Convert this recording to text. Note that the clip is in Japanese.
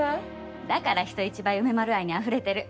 だから人一倍梅丸愛にあふれてる。